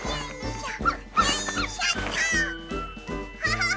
ハハハハ！